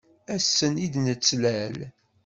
Ass-n i d-nettlal.